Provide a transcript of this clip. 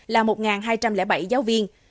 là một hai trăm linh bảy giáo viên